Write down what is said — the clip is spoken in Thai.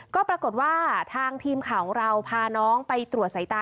ก็ปรากฏว่าทางทีมข่าวของเราพาน้องไปตรวจสายตา